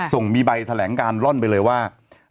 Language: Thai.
ส่งมีใบแถลงการร่อนไปเลยว่า